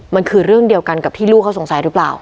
มันคือเรื่องเดียวกันกับที่ลูกเขาสงสัยหรือเปล่า